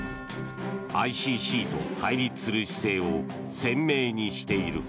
ＩＣＣと対立する姿勢を鮮明にしている。